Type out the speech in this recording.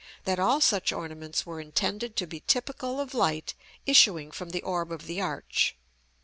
that all such ornaments were intended to be typical of light issuing from the orb of the arch.